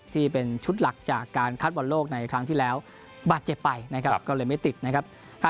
ที่เป็นชุดหลักจากการคัดวันโลกในครั้งที่แล้วบาดเจ็บไปเลยไม่ติด